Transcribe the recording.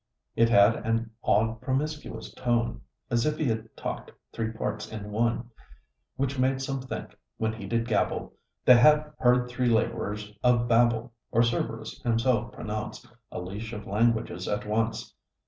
It had an odd promiscuous tone, As if h' had talk'd three parts in one; Which made some think, when he did gabble, Th' had heard three laborers of Babel; Or Cerberus himself pronounce A leash of languages at once.